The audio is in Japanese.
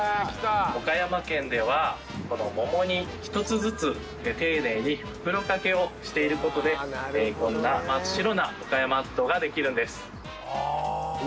岡山県ではこの桃に一つずつ丁寧に袋かけをしている事でこんな真っ白な岡山白桃ができるんです。